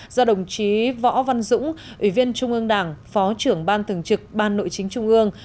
do đồng chí võ văn dũng ủy viên trung ương đảng phó trưởng ban thường trực ban nội chính trung ương